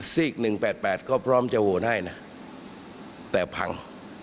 ซีก๑๘๘ก็พร้อมจะโหวตให้นะแต่พัง